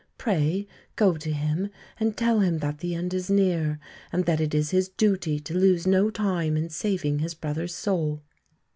Pray go to him and tell him that the end is near, and that it is his duty to lose no time in saving his brother's soul.'"